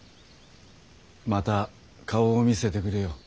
また顔を見せてくれよ。